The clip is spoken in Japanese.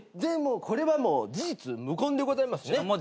これはもう事実無根でございますね？